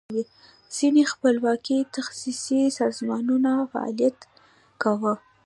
ځینې خپلواکي تخصصي سازمانونو فعالیت کاو.